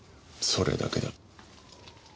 それだけ。